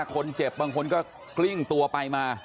คนเจ็บบางคนก็กลิ้งตัวไปมา